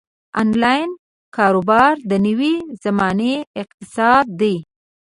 انلاین کاروبار د نوې زمانې اقتصاد دی.